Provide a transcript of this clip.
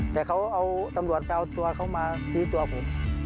แต่เขาเอาตำรวจไปเอาตัวเขามาชี้ตัวผม